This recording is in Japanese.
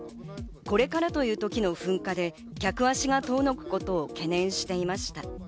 これからというときの噴火で客足が遠のくことを懸念していました。